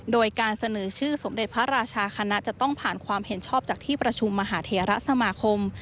โดยการเสนอชื่อสมเด็จพระราชาคณะจะต้องผ่านความเห็นชอบจากที่ประชุมมหาเทระสมาคม